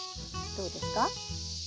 どうですか？